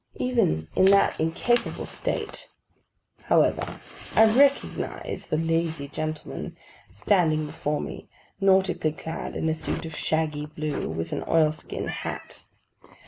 Even in that incapable state, however, I recognised the lazy gentleman standing before me: nautically clad in a suit of shaggy blue, with an oilskin hat.